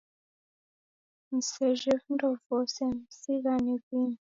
Msejhe vindo vose, msighare vimu